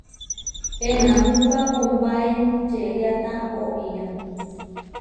Enámupa kompáe čeriáta oʼía.